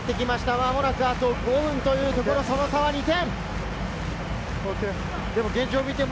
まもなくあと５分というところ、その差は２点。